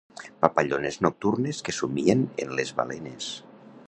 Papallones nocturnes que somien en les balenes.